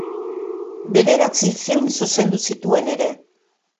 Bederatzi film zuzendu zituen ere.